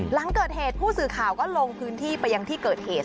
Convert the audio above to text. หลังเกิดเหตุผู้สื่อข่าวก็ลงพื้นที่ไปยังที่เกิดเหตุ